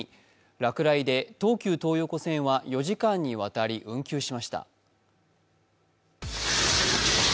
落雷で東急東横線は４時間にわたり運休しました。